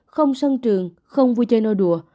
không sân trường không vui chơi nô đùa